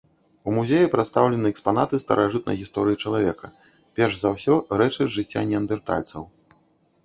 У музеі прадстаўлены экспанаты старажытнай гісторыі чалавека, перш за ўсё, рэчы з жыцця неандэртальцаў.